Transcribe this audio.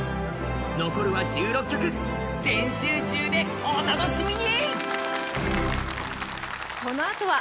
残るは１６曲、全集中でお楽しみに。